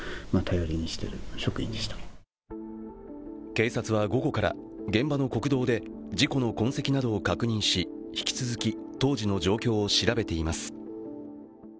警察は午後から、現場の国道で事故の痕跡などを確認し引き続き、当時の状況を調べています。